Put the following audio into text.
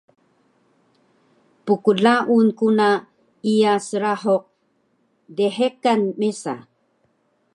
pklaun ku na iya srahuq dhekan mesa